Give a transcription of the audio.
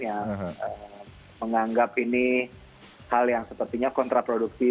yang menganggap ini hal yang sepertinya kontraproduksi